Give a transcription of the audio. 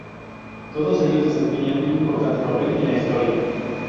Todos ellos desempeñan un importante papel en la historia.